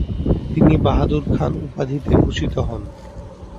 তিনি খান বাহাদুর উপাধিতে ভূষিত হন।